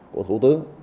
của thủ tướng